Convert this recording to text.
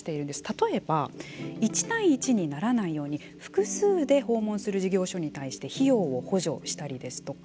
例えば、１対１にならないように複数で訪問する事業所に対して費用を補助したりですとか。